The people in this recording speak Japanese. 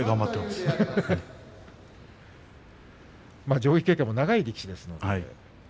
上位経験の長い力士です。